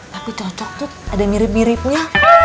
tapi cocok tuh ada mirip miripnya